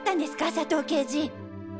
佐藤刑事。